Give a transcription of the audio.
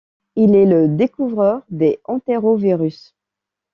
Il est le découvreur des enterovirus.